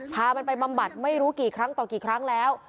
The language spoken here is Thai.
พามันไปบำบัดไม่รู้กี่ครั้งต่อกี่ครั้งแล้ว